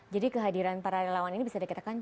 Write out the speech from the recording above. jadi kehadiran para relawan ini bisa dikatakan